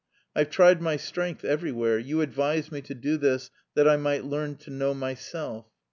"I've tried my strength everywhere. You advised me to do this 'that I might learn to know myself.'